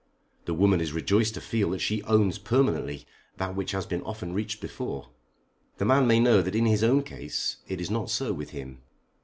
The woman is rejoiced to feel that she owns permanently that which has been often reached before. The man may know that in his own case it is not so with him.